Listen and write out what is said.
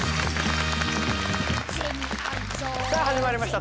さあ始まりました